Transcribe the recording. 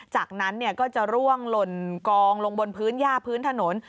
จากนั้นก็จะร่วงหล่นกองลงบนพื้นย่าพื้นถนน